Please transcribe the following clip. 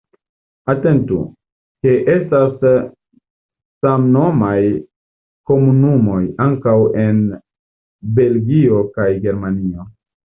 Atentu, ke estas samnomaj komunumoj ankaŭ en Belgio kaj Germanio.